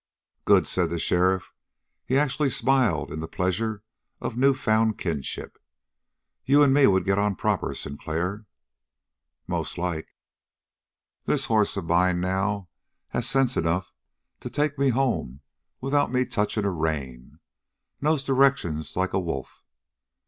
"Good!" said the sheriff. He actually smiled in the pleasure of newfound kinship. "You and me would get on proper, Sinclair." "Most like." "This hoss of mine, now, has sense enough to take me home without me touching a rein. Knows direction like a wolf."